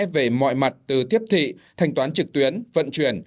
về mọi mặt từ thiếp thị thành toán trực tuyến vận chuyển